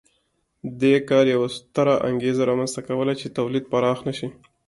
دې کار یوه ستره انګېزه رامنځته کوله چې تولید پراخ نه شي